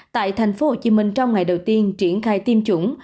tại thành phố hồ chí minh trong ngày đầu tiên triển khai tiêm chủng